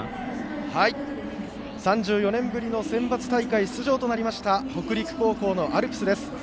３４年ぶりのセンバツ大会出場となりました北陸高校のアルプスです。